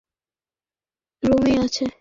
সে তার রুমেই আছে।